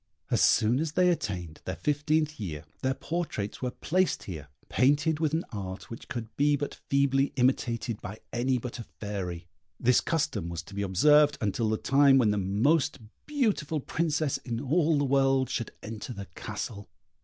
As soon as they attained their fifteenth year their portraits were placed here, painted with an art which could be but feebly imitated by any but a fairy. This custom was to be observed until the time when the most beautiful princess in all the world should enter the castle.